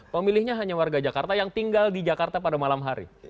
pemilihnya hanya warga jakarta yang tinggal di jakarta pada malam hari